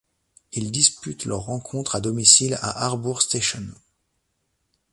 Ils disputent leurs rencontres à domicile à Harbour Station.